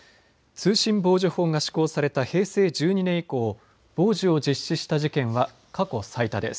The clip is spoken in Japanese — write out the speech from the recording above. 通信傍受法が施行された平成１２年以降、傍受を実施した事件は過去最多です。